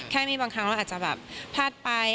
แค่มีบางครั้งเราอาจจะแบบพลาดไป